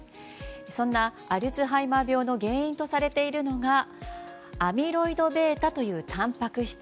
そんなアルツハイマー病の原因とされているのがアミロイドβというたんぱく質。